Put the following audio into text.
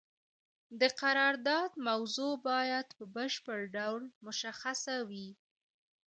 د قرارداد موضوع باید په بشپړ ډول مشخصه وي.